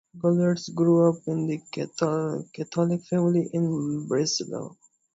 Gallwitz grew up in a Catholic family in Breslau.